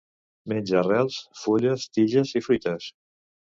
Menja arrels, fulles, tiges i fruites.